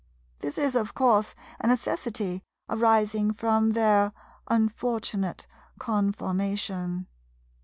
This is, of course, a necessity arising from their unfortunate conformation.